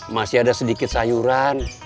masih ada sedikit sayuran